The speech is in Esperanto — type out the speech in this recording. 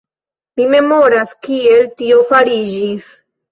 Mi memoras, kiel tio fariĝis.